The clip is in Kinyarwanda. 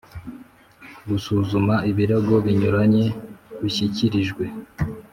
Gusuzuma ibirego binyuranye rushyikirijwe